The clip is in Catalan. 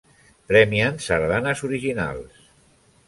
Premien sardanes originals.